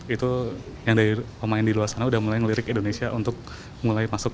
itu yang dari pemain di luar sana udah mulai ngelirik indonesia untuk mulai masuk